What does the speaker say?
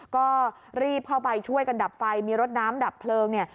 ก็รีบเข้าไปช่วยกันดับไฟมีรถน้ำดับเพลิงเนี่ย